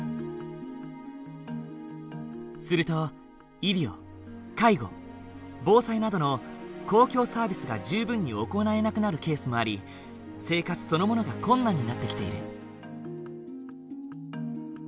すると医療介護防災などの公共サービスが十分に行えなくなるケースもあり生活そのものが困難になってきている。